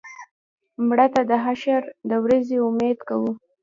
مړه ته د حشر د ورځې امید کوو